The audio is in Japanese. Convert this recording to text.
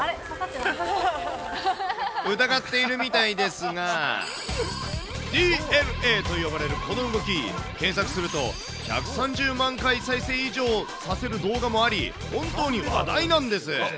疑っているみたいですが、ＤＮＡと呼ばれるこの動き、検索すると、１３０万回再生以上させる動画もあり、本当に話題なんです。